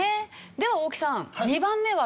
では大木さん。